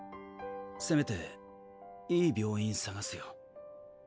せめていい病院探すよ。